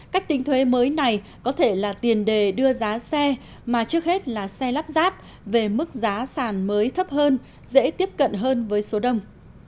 cách tính thuế mới này có thể là tiền đề đưa giá xe mà trước hết là xe lắp ráp về mức giá sàn mới thấp hơn dễ tiếp cận hơn với số đông